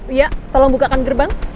iya tolong bukakan gerbang